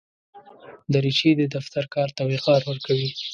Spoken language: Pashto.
دریشي د دفتر کار ته وقار ورکوي.